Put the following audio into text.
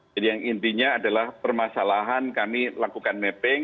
jadi yang intinya adalah permasalahan kami lakukan